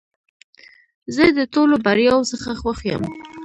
زه د ټولو بریاوو څخه خوښ یم .